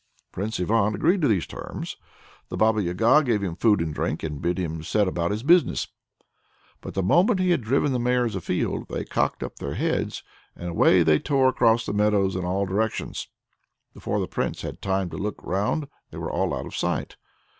Prince Ivan agreed to these terms. The Baba Yaga gave him food and drink, and bid him set about his business. But the moment he had driven the mares afield, they cocked up their tails, and away they tore across the meadows in all directions. Before the Prince had time to look round, they were all out of sight.